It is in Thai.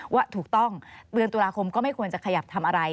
ว่าถูกต้องเดือนตุลาคมก็ไม่ควรจะขยับทำอะไร